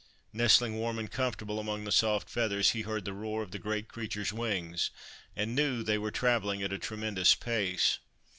Nestling warm and com fortable among the soft feathers, he heard the roar of the great creature's wings, and knew they were travelling at a tremendous pace.